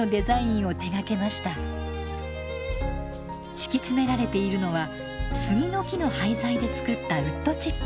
敷き詰められているのは杉の木の廃材で作ったウッドチップ。